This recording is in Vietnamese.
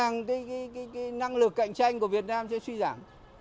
rằng năng lực cạnh tranh của việt nam sẽ suy giảm